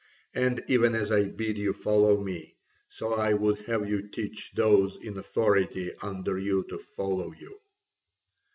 And even as I bid you follow me, so I would have you teach those in authority under you to follow you."